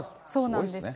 そうなんです。